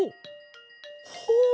ほう。